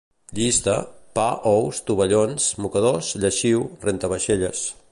Llista: pa, ous, tovallons, mocadors, lleixiu, rentavaixelles